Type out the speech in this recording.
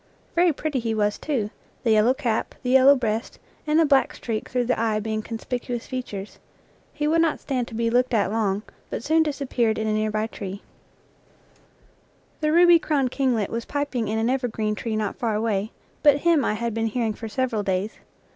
Very pretty he was, too, the yellow cap, the yellow breast, and the black streak through the eye being conspicuous features. He would not stand to be looked at long, but soon disappeared in a near by tree. NATURE LEAVES The ruby crowned kinglet was piping in an ever green tree not far away, but him I had been hearing for several days.